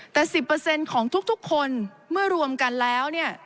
แต่๑๐ของทุกคนเมื่อรวมกันแล้วเนี่ย